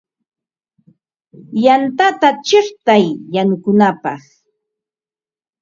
Yantata chiqtay yanukunapaq.